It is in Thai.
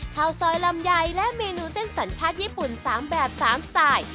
ข้าวซอยลำไยและเมนูเส้นสัญชาติญี่ปุ่น๓แบบ๓สไตล์